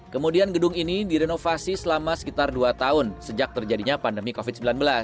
kemudian gedung ini direnovasi selama sekitar dua tahun sejak terjadinya pandemi covid sembilan belas